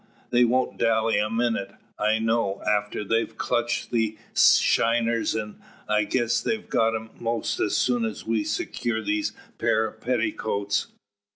They wont dally a minute, I know, after they've clutched the shiners, an' I guess they got 'em most as soon as we'd secured these pair o' petticoats.